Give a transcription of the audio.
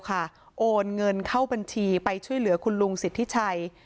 โอนเงินเข้าบัญชีไปช่วยเหลือคุณลุงสิทธิชัย